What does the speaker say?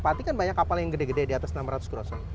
pak ati kan banyak kapal yang gede gede di atas enam ratus krosok